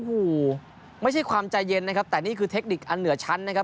โอ้โหไม่ใช่ความใจเย็นนะครับแต่นี่คือเทคนิคอันเหนือชั้นนะครับ